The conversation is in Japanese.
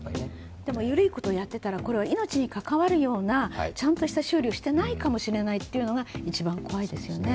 でも、ゆるいことをやっていたら、これは命に関わるような、ちゃんとした修理をしていないかもしれないということが一番怖いですよね。